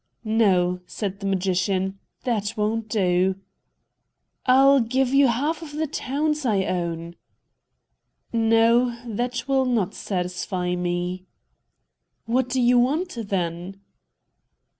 "No," said the magician; "that won't do." "I'll give you half of the towns I own." "No; that will not satisfy me." "What do you want, then?"